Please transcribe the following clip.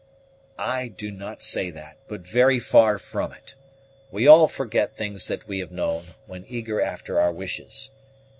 "I do not say that, but very far from it. We all forget things that we have known, when eager after our wishes.